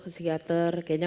ke psikiater kayaknya